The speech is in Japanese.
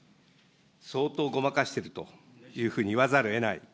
相当ごまかしているというふうに言わざるをえない。